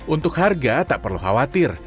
untuk harga tak perlu khawatir